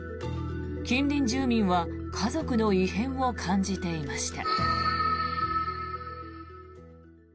近隣住民は家族の異変を感じていました。